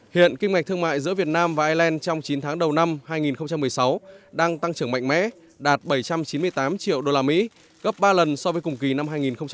hiện kim ngạch thương mại giữa việt nam và ireland trong chín tháng đầu năm hai nghìn một mươi sáu đang tăng trưởng mạnh mẽ đạt bảy trăm chín mươi tám triệu usd gấp ba lần so với cùng kỳ năm hai nghìn một mươi bảy